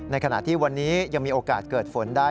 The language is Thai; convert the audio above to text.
ขณะที่วันนี้ยังมีโอกาสเกิดฝนได้